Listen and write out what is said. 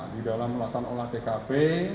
di dalam melakukan olah tkp